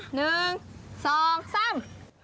หนึ่งสองสาม